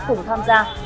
cùng tham gia